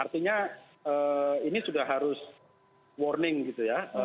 artinya ini sudah harus warning gitu ya